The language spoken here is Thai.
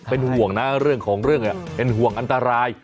เป็นห่วงนะเรื่องของเรื่องเป็นห่วงอันตราย